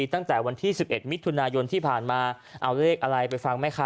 ตั้งแต่วันที่สิบเอ็ดมิตรธุนายนที่ผ่านมาเอาเลขอะไรไปฟังไหมคะ